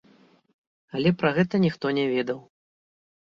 Але пра гэта ніхто не ведаў.